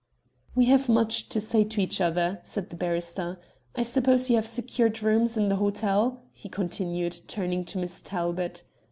"We have much to say to each other," said the barrister. "I suppose you have secured rooms in the hotel?" he continued, turning to Miss Talbot.